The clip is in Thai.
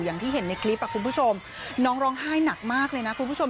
อย่างที่เห็นในคลิปคุณผู้ชมน้องร้องไห้หนักมากเลยนะคุณผู้ชม